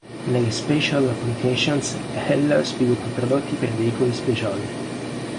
Nelle Special Applications Hella sviluppa prodotti per veicoli speciali.